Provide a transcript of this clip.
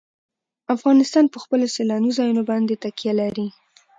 افغانستان په خپلو سیلاني ځایونو باندې تکیه لري.